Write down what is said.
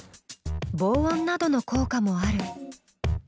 防音などの効果もある。